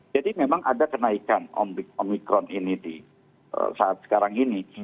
jadi memang ada kenaikan omicron ini di saat sekarang ini